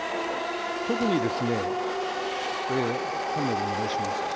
特にですね、パネルお願いします。